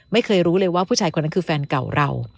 ไม่เคยรู้เลยว่าผู้ชายคนนั้นคือแฟนเก่าเรา